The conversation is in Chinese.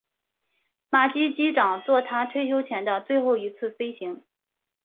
马基机长作他退休前的最后一次飞行。